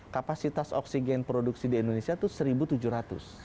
kapasitas oksigen produksi di indonesia itu seribu tujuh ratus